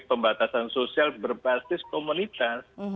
pembatasan sosial berbasis komunitas